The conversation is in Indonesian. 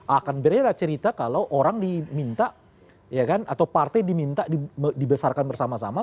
akan beredar cerita kalau orang diminta ya kan atau partai diminta dibesarkan bersama sama